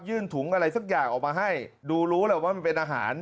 ถุงอะไรสักอย่างออกมาให้ดูรู้แหละว่ามันเป็นอาหาร